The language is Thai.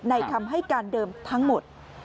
คำให้การเดิมทั้งหมด